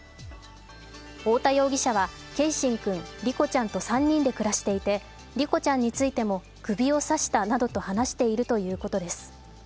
太田容疑者は、継真君梨心ちゃんと３人で暮らしていて梨心ちゃんについても首を刺したなどと話しているということです。